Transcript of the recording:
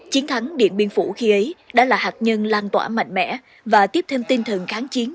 chiến thắng điện biên phủ khi ấy đã là hạt nhân lan tỏa mạnh mẽ và tiếp thêm tinh thần kháng chiến